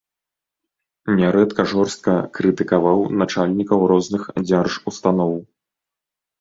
Нярэдка жорстка крытыкаваў начальнікаў розных дзяржустаноў.